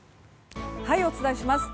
お伝えします。